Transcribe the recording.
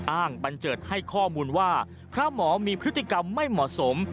บันเจิดให้ข้อมูลว่าพระหมอมีพฤติกรรมไม่เหมาะสม